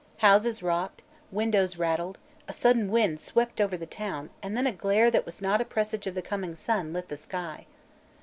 Houses rocked, windows rattled, a sudden wind swept over the town and then a glare that was not a presage of the coming sun lit the sky.